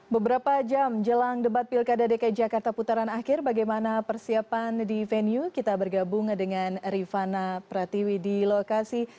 beberapa jam jelang debat pilkada dki jakarta putaran akhir bagaimana persiapan di venue kita bergabung dengan rifana pratiwi di lokasi